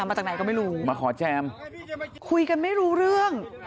มาจากไหนก็ไม่รู้มาขอแจมคุยกันไม่รู้เรื่อง